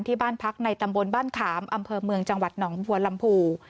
ที่บ้านพักในตำบลบ้านขามอำเภอเมืองจังหวัดหนองบัวลำพู